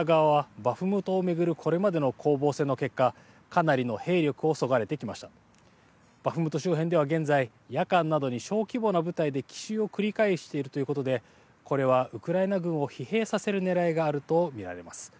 バフムト周辺では現在夜間などに小規模な部隊で奇襲を繰り返しているということでこれはウクライナ軍を疲弊させるねらいがあると見られます。